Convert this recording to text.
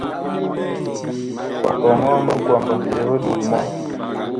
Kɔŋɔɔ minkwamba biig duu mɔ.